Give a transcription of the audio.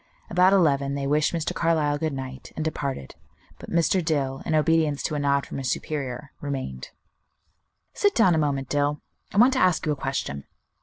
About eleven they wished Mr. Carlyle good night, and departed, but Mr. Dill, in obedience to a nod from his superior, remained. "Sit down a moment, Dill; I want to ask you a question.